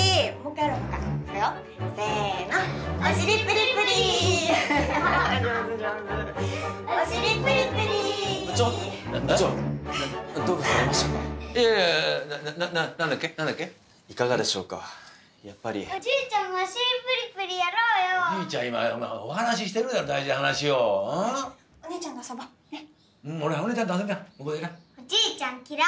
おじいちゃん嫌い！